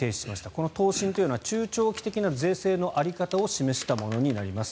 この答申というのは中長期的な税制の在り方を示したものになります。